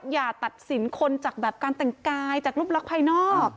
อย่าตัดสินคนจากแบบการแต่งกายจากรูปลักษณ์ภายนอก